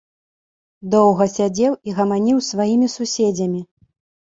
Доўга сядзеў і гаманіў з сваімі суседзямі.